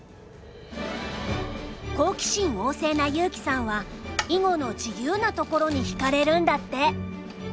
好奇心旺盛な悠生さんは囲碁の自由なところにひかれるんだって。